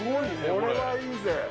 これはいいぜ。